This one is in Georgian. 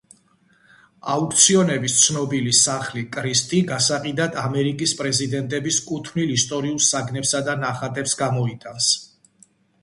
აუქციონების ცნობილი სახლი „კრისტი“ გასაყიდად ამერიკის პრეზიდენტების კუთვნილ ისტორიულ საგნებსა და ნახატებს გამოიტანს.